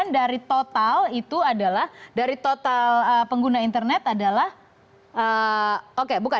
dari total itu adalah dari total pengguna internet adalah oke bukan